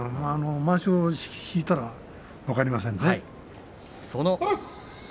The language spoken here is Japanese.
まわしを引いたら分かりませんね。